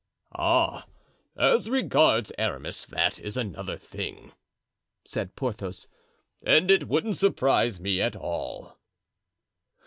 "Ah, as regards Aramis, that is another thing," said Porthos, "and it wouldn't surprise me at all."